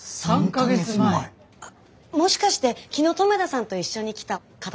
あっもしかして昨日留田さんと一緒に来た方ですかね。